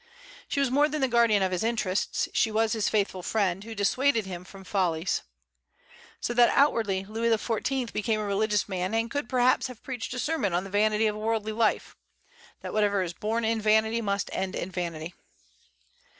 She was more than the guardian of his interests; she was his faithful friend, who dissuaded him from follies. So that outwardly Louis XIV. became a religious man, and could perhaps have preached a sermon on the vanity of a worldly life, that whatever is born in vanity must end in vanity.